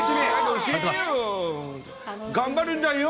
頑張るんだよ。